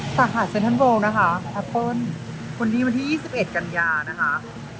สหรัฐเซ็นเทินโบลนะคะแอปเปิ้ลวันนี้วันที่ยี่สิบเอ็ดกันยานะคะ